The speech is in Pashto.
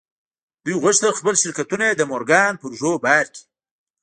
دوی غوښتل خپل شرکتونه د مورګان پر اوږو بار کړي.